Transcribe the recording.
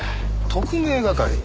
特命係？